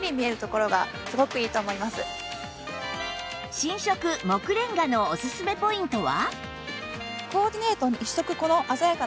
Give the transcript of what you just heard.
新色杢レンガのおすすめポイントは？